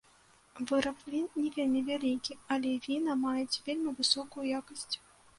Выраб він не вельмі вялікі, але віна маюць вельмі высокую якасць.